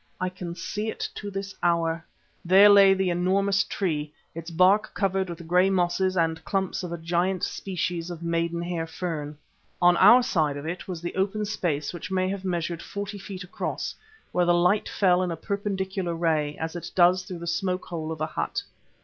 I can see it to this hour. There lay the enormous tree, its bark covered with grey mosses and clumps of a giant species of maidenhair fern. On our side of it was the open space which may have measured forty feet across, where the light fell in a perpendicular ray, as it does through the smoke hole of a hut.